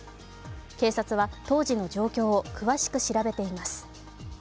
警察は当時の状況を詳しく調べています。